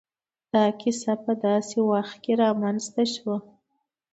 دا کيسه په داسې وخت کې را منځ ته شوه.